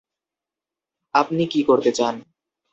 আপনি কী করতে চান?